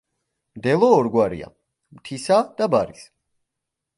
მდელო ორგვარია: მთისა და ბარის.